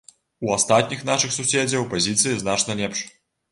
У астатніх нашых суседзяў пазіцыі значна лепш.